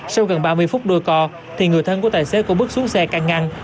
sau gần ba mươi phút đuôi co người thân của tài xế cũng bước xuống xe căng ngăn